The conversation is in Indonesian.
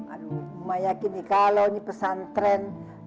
aduh gua yakin nih kalau ini pesan tren